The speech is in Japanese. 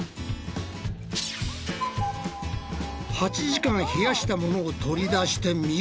８時間冷やしたものを取り出してみると。